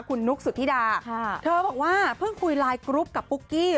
คุณนุ๊กสุธิดาเธอบอกว่าเพิ่งคุยไลน์กรุ๊ปกับปุ๊กกี้